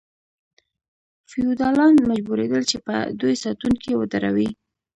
فیوډالان مجبوریدل چې په دوی ساتونکي ودروي.